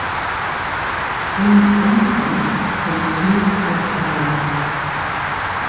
Im Umfang von Smith et al.